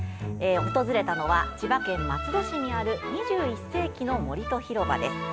訪れたのは、千葉県松戸市にある２１世紀の森と広場です。